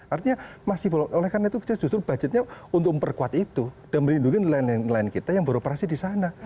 artinya masih oleh karena itu justru budgetnya untuk memperkuat itu dan melindungi nelayan nelayan kita yang beroperasi di sana